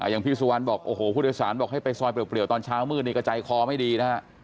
ไม่ได้ไปซอยเปลี่ยวตอนเช้ามืดนี่ก็ใจคอไม่ดีนะฮะ